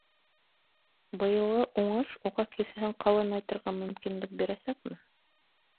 Быйылғы уңыш уға кеҫәһен ҡалынайтырға мөмкинлек бирәсәкме?